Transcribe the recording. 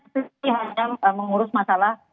tapi hanya mengurus masalah